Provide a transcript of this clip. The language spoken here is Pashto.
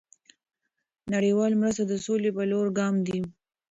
دเงินบาทไทย نړیوال مرسته د سولې په لور ګام دی.